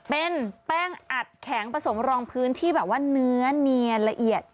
เป็นแป้งอัดแข็งผสมรองพื้นที่แบบว่าเนื้อเนียนละเอียด